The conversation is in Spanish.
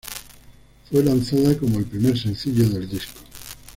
Fue lanzada como el primer sencillo del disco.